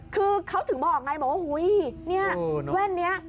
คือเขาถึงบอกไงบอกว่าอุ้ยเนี่ยแว่นนี้